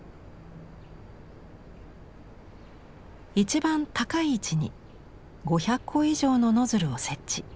一番高い位置に５００個以上のノズルを設置。